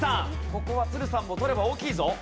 ここは都留さんも取れば大きいぞ。